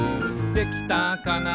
「できたかな